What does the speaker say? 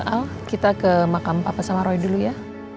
al kita ke makam papa sama roy dulu ya